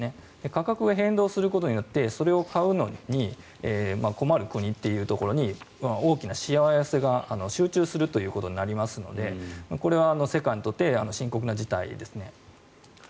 価格が変動することによってそれを買うのに困る国というところに大きなしわ寄せが集中することになりますのでこれは世界にとって深刻な事態ですね。